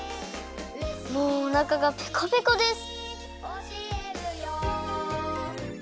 もうおなかがペコペコです。